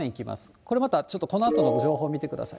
これまたちょっとこのあとの情報見てください。